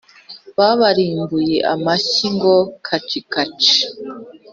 Babarimbuye amashyi ngo kacikaci.